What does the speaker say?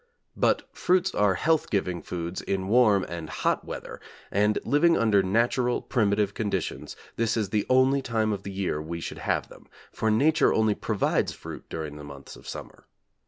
But fruits are health giving foods in warm and hot weather, and living under natural, primitive conditions, this is the only time of the year we should have them, for Nature only provides fruit during the months of summer.